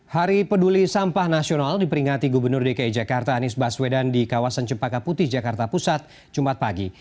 hari peduli sampah nasional diperingati gubernur dki jakarta anies baswedan di kawasan cempaka putih jakarta pusat jumat pagi